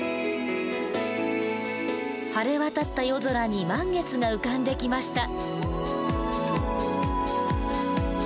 晴れ渡った夜空に満月が浮かんできました。